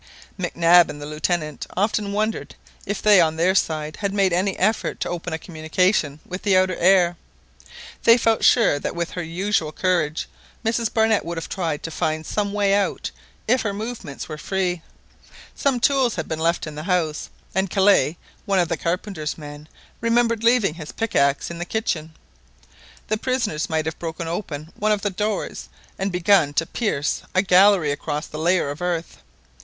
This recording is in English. Mac Nab and the Lieutenant often wondered if they on their side had made any effort to open a communication with the outer air. They felt sure that with her usual courage, Mrs Barnett would have tried to find some way out if her movements were free. Some tools had been left in the house, and Kellet, one of the carpenter's men, remembered leaving his pickaxe in the kitchen. The prisoners might have broken open one of the doors and begun to pierce a gallery across the layer of earth.